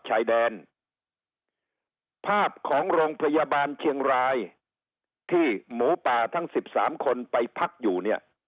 ชายแดนภาพของโรงพยาบาลเชียงรายที่หมูป่าทั้งสิบสามคนไปพักอยู่เนี่ย